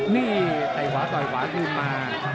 นี่ไต่ขวาต่อไต่ขวาดูมา